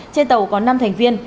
trên tàu có năm thành viên